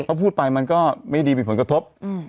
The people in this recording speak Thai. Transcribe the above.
เขาพูดไปมันก็ไม่ดีเป็นผลกระทบ